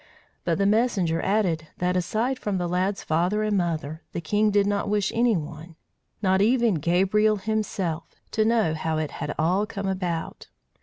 But the messenger added that, aside from the lad's father and mother, the king did not wish any one, not even Gabriel himself, to know how it had all come about.